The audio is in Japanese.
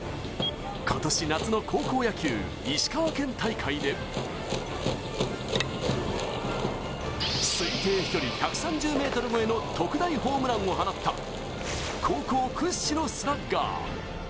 今年夏の高校野球、石川県大会で推定飛距離１３０ｍ超えの特大ホームランを放った高校屈指のスラッガー。